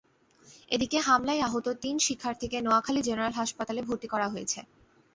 এদিকে হামলায় আহত তিন শিক্ষার্থীকে নোয়াখালী জেনারেল হাসপাতালে ভর্তি করা হয়েছে।